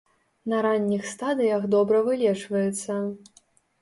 На ранніх стадыях добра вылечваецца.